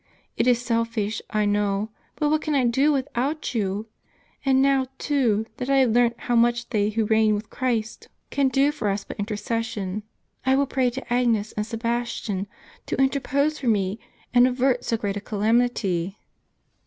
It is cnfai selfish, I know ; but what can I do without you ? And now too, that I have learnt how much they who reign with Christ can do for us by intercession, I will pray to Agnes* and Sebastian, to interi^ose for me, and avert so great a calamity.